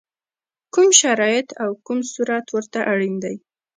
کوم شرایط او کوم صورت ورته اړین دی؟